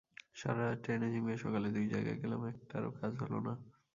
সারা রাত ট্রেনে ঝিমিয়ে সকালে দুই জায়গায় গেলাম, একটারও কাজ হলো না।